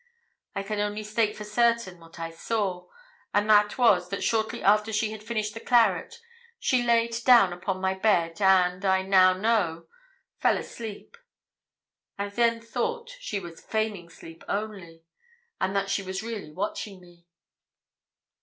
I can only state for certain what I saw, and that was, that shortly after she had finished the claret she laid down upon my bed, and, I now know, fell asleep. I then thought she was feigning sleep only, and that she was really watching me.